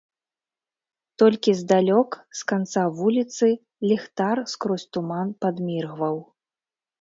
Толькі здалёк, з канца вуліцы, ліхтар скрозь туман падміргваў.